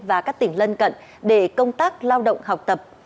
và các tỉnh lân cận để công tác lao động học tập